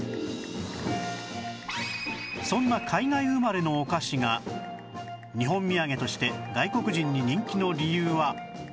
そんな海外生まれのお菓子が日本みやげとして外国人に人気の理由は